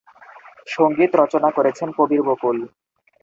সঙ্গীত রচনা করেছেন কবির বকুল।